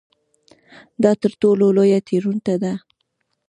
دا تر ټولو لویه تېروتنه ده.